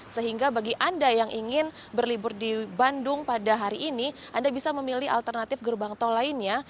sehingga bagi anda yang ingin berlibur di bandung pada hari ini anda bisa memilih alternatif gerbang tol lainnya